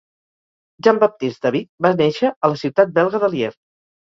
Jean-Baptist David va néixer a la ciutat belga de Lier.